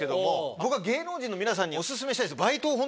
僕は芸能人の皆さんにオススメしたいんです。